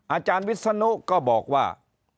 อาจารย์วิศนุก็บอกว่า